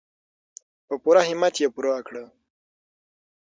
په پوره همت یې پوره کړو.